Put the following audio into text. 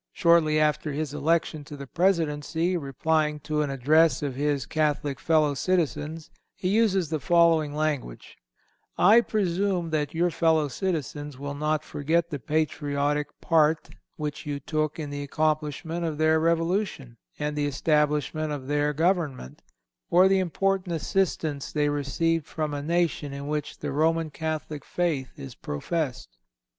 Shortly after his election to the Presidency, replying(314) to an address of his Catholic fellow citizens, he uses the following language: "I presume that your fellow citizens will not forget the patriotic part which you took in the accomplishment of their revolution, and the establishment of their government; or the important assistance they received from a nation in which the Roman Catholic faith is professed."